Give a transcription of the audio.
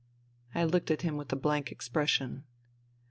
" I looked at him with a blank expression.